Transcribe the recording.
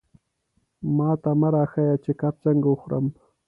ماته مه را ښیه چې کب څنګه وخورم.